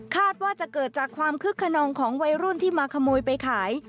ว่าจะเกิดจากความคึกขนองของวัยรุ่นที่มาขโมยไปขาย